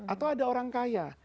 atau ada orang kaya